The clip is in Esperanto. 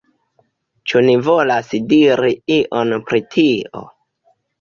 Ĉu ni volas diri ion pri tio?